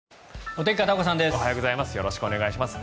おはようございます。